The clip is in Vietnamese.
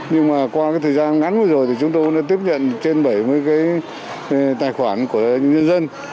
nhưng mà qua cái thời gian ngắn vừa rồi thì chúng tôi đã tiếp nhận trên bảy mươi cái tài khoản của nhân dân